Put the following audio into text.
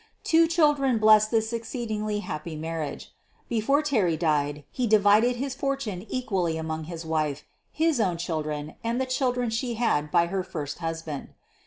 Two chil dren blessed this exceedingly happy marriage. Be fore Terry died he divided his fortune equally among his wife, his own children, and the children she had by her first husband.